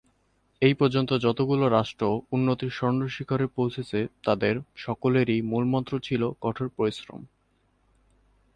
এ পর্যন্ত যতগুলো রাষ্ট্র উন্নতির স্বর্ণশিখরে পৌছেছে তাদের সকলেরই মূলমন্ত্র ছিল কঠোর পরিশ্রম।